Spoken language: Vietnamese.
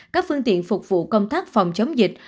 các phương tiện phục vụ công tác phòng chống dịch